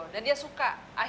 dan dia suka